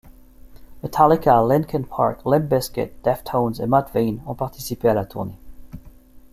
Metallica, Linkin Park, Limp Bizkit, Deftones et Mudvayne ont participé à la tournée.